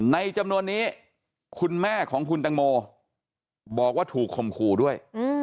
จำนวนนี้คุณแม่ของคุณตังโมบอกว่าถูกข่มขู่ด้วย